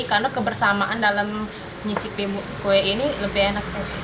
karena kebersamaan dalam nyicipin kue ini lebih enak